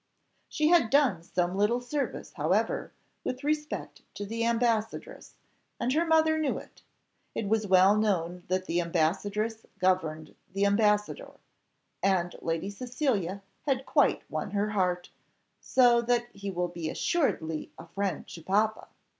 She had done some little service, however, with respect to the ambassadress, and her mother knew it. It was well known that the ambassadress governed the ambassador, and Lady Cecilia had quite won her heart, "so that he will be assuredly a friend to papa.